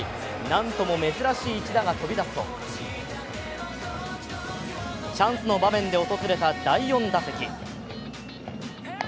何とも珍しい一打が飛び出すとチャンスの場面で訪れた第４打席。